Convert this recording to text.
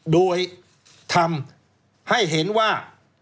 โดยทำให้เห็นว่า